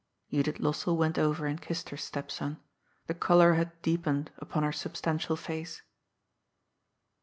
Judith Lossell went over and kissed her stepson. The colour had deepened upon her substantial face.